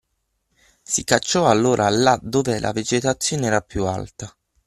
Si cacciò allora là dove la vegetazione era piú alta